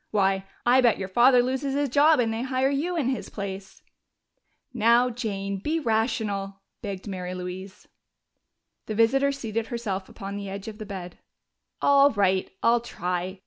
Why, I bet your father loses his job and they hire you in his place!" "Now, Jane, be rational!" begged Mary Louise. The visitor seated herself upon the edge of the bed. "All right, I'll try....